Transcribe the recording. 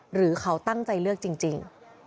หรือเขาตั้งใจเลือกจริง